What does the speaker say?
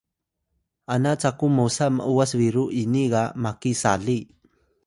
ana caku mosa m’was biru ini ga maki sali